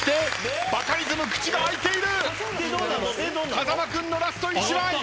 風間君のラスト１枚。